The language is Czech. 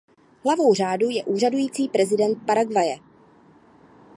Hlavou řádu je úřadující prezident Paraguaye.